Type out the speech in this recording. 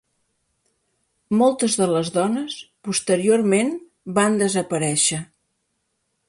Moltes de les dones posteriorment van desaparèixer.